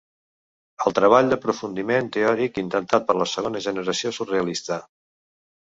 El treball d'aprofundiment teòric intentat per la segona generació surrealista.